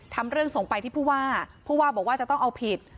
ทำเรื่องส่งไปที่ผู้ว่าผู้ว่าบอกว่าจะต้องเอาผิด